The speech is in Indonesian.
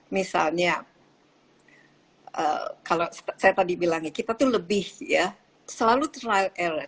misalnya kalau saya tadi bilang ya kita tuh lebih ya selalu trial error